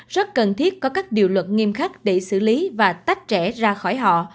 rất cần thiết có các điều luật nghiêm khắc để xử lý và tách trẻ ra khỏi họ